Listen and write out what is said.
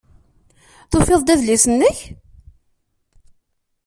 Tufiḍ-d adlis-nnek?